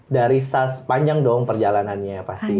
dari sas panjang dong perjalanannya pasti